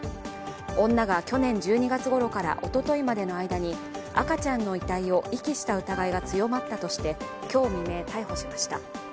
女が去年１２月ごろからおとといまでの間に赤ちゃんの遺体を遺棄した疑いが強まったとして今日未明、逮捕しました。